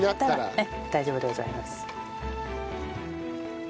ええ大丈夫でございます。